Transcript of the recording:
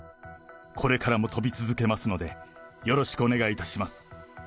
これからも飛び続けますので、よろしくお願いいたします。